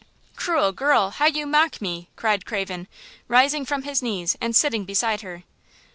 "Cruel girl! How you mock me!" cried Craven, rising from his knees and sitting beside her.